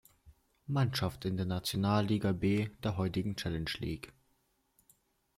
Mannschaft in der Nationalliga B, der heutigen Challenge League.